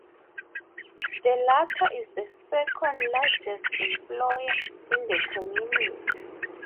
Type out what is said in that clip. The latter is the second-largest employer in the community.